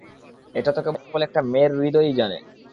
এটা তো কেবল একটা মেয়ের হৃদয়ই জানে।